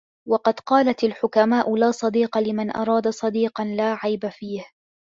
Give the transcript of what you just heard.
وَقَدْ قَالَتْ الْحُكَمَاءُ لَا صَدِيقَ لِمَنْ أَرَادَ صَدِيقًا لَا عَيْبَ فِيهِ